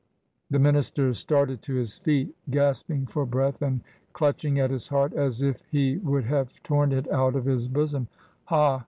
The minister started to his feet, gasping for breath, and clutching at his heart, as if he would have torn it out of his bosom. 'Ha!